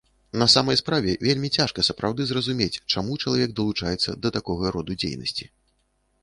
На самай справе вельмі цяжка сапраўды зразумець, чаму чалавек далучаецца да такога роду дзейнасці.